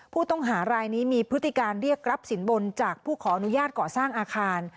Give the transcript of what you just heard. ผู้ต้องหารายนี้มีพฤติการเรียกรับสินบนจากผู้ขออนุญาตก่อสร้างอาคาร